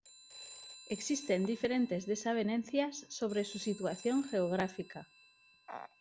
Existen diferentes desavenencias sobre su situación geográfica.